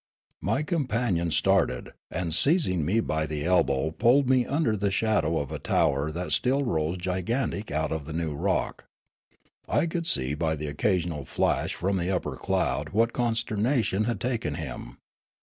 My companion started, and seizing me by the elbow pulled me in under the shadow of a tower that still rose gigantic out of the new rock. I could see by the occasional flash from the upper cloud what consternation had taken him.